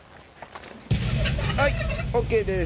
はいＯＫです。